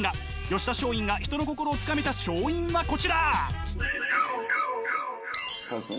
吉田松陰が人の心をつかめた勝因はこちら！